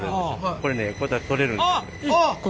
これねこうやったら取れる。